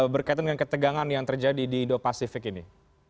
berkaitan dengan ketegangan yang terjadi di indo pasifik ini